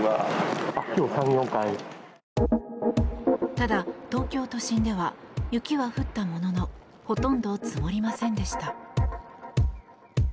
ただ、東京都心では雪は降ったもののほとんど積もりませんでした。